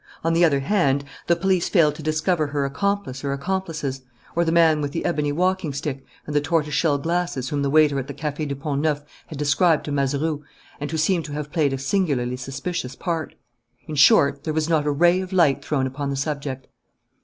On the other hand, the police failed to discover her accomplice or accomplices, or the man with the ebony walking stick and the tortoise shell glasses whom the waiter at the Café du Pont Neuf had described to Mazeroux and who seemed to have played a singularly suspicious part. In short, there was not a ray of light thrown upon the subject.